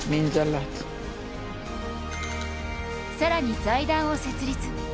更に財団を設立。